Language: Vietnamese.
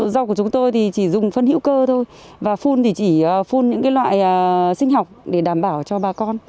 rau của chúng tôi thì chỉ dùng phân hữu cơ thôi và phun thì chỉ phun những loại sinh học để đảm bảo cho bà con